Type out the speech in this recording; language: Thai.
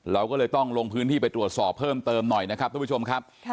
เราก็เลยต้องลงพื้นที่ไปตรวจสอบเพิ่มเติมหน่อยนะครับทุกผู้ชมครับ